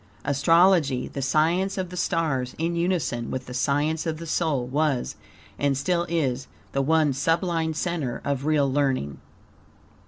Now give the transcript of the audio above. ASTROLOGY, the Science of the Stars, in unison with the Science of the Soul, was, and still is, the one sublime center of real learning.